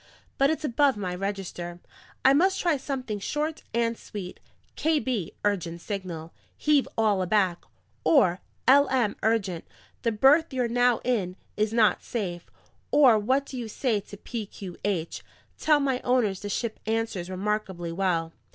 But it's above my register. I must try something short and sweet: KB, urgent signal, 'Heave all aback'; or LM, urgent, 'The berth you're now in is not safe'; or what do you say to PQH? 'Tell my owners the ship answers remarkably well.'"